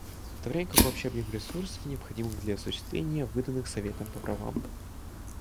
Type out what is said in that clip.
В то время как общий объем ресурсов, необходимых для осуществления выданных Советом по правам.